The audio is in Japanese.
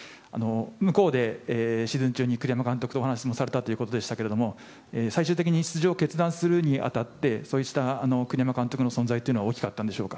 向こうでシーズン中に栗山監督とお話をされたということでしたが最終的に出場を決断するにあたって栗山監督の存在は大きかったでしょうか。